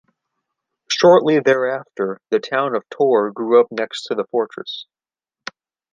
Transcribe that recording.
Shortly thereafter, the town of Tor grew up next to the fortress.